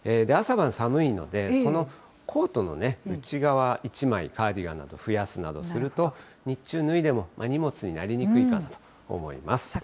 朝晩、寒いので、そのコートの内側１枚、カーディガンなど増やすなどすると、日中、脱いでも荷物になりにくいかなと思います。